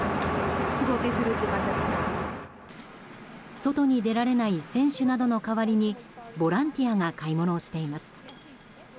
外に出られない選手などの代わりにボランティアが買い物をしています。